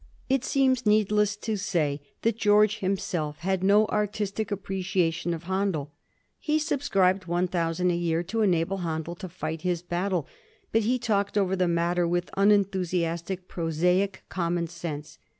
'' It seems needless to say that George himself had no artistic appreciation of Handel. He subscribed one thousand a year to enable Handel to fight his battle, but he talked over the matter with un enthusiastic prosaic common sense.